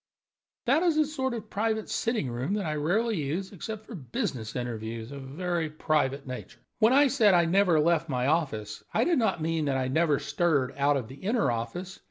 "That is a sort of private sitting room that I rarely use, except for business interviews of a very private nature. When I said I never left my office, I did not mean that I never stirred out of the inner office.